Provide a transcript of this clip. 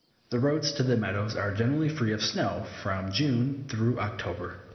The roads to the meadows are generally free of snow from June through October.